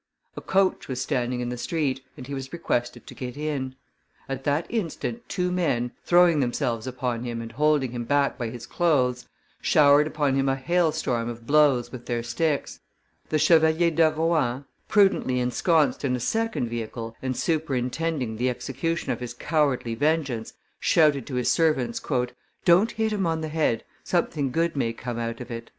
A coach was standing in the street, and he was requested to get in; at that instant two men, throwing themselves upon him and holding him back by his clothes, showered upon him a hailstorm of blows with their sticks. The Chevalier de Rohan, prudently ensconced in a second vehicle, and superintending the execution of his cowardly vengeance, shouted to his servants, "Don't hit him on the head; something good may come out of it."